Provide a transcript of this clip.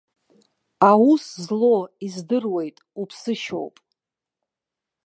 Аус злоу, издыруеит, уԥсышьоуп.